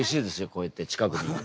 こうやって近くにいるの。